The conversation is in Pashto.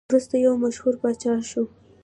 وروسته یو مشهور پاچا شو.